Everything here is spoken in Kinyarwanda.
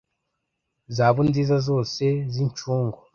Zahabu nziza zose zincungu